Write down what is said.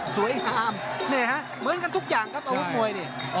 สวยงามนี่ฮะเหมือนกันทุกอย่างครับอาวุธมวยนี่